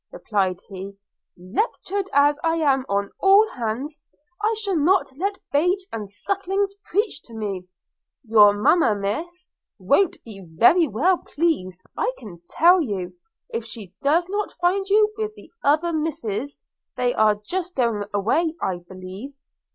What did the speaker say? replied he, 'lectured as I am on all hands, I shall not let babes and sucklings preach to me. Your mamma, miss, won't be very well pleased, I can tell you, if she does not find you with the other misses; they are just going away, I believe.